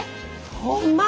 ホンマ！？